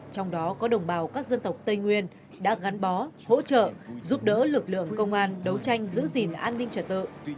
trong đó có đồng bào các dân tộc tây nguyên đã gắn bó hỗ trợ giúp đỡ lực lượng công an đấu tranh giữ gìn an ninh trật tự